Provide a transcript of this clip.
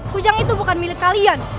kujang itu bukan milik kalian